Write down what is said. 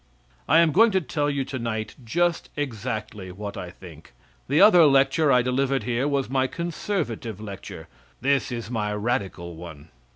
I am going to tell you tonight just exactly what I think. The other lecture I delivered here was my conservative lecture; this is my radical one!